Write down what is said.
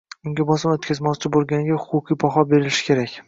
Unga bosim oʻtkazmoqchi boʻlganiga huquqiy baho berilishi kerak.